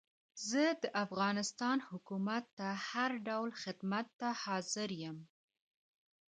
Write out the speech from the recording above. زه د افغانستان حکومت ته هر ډول خدمت ته حاضر یم.